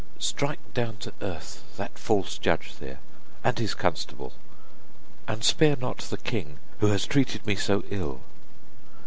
'Strike down to earth that false judge there, and his constable, and spare not the king who has treated me so ill.